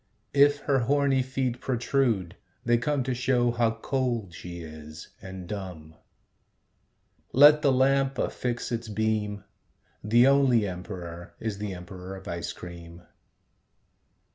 If her horny feet protrude, they come To show how cold she is, and dumb. Let the lamp affix its beam. The only emperor is the emperor of ice cream.